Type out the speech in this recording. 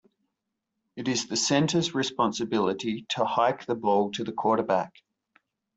It is the center's responsibility to hike the ball to the quarterback.